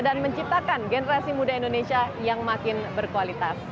dan menciptakan generasi muda indonesia yang makin berkualitas